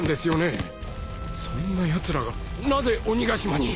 そんなやつらがなぜ鬼ヶ島に。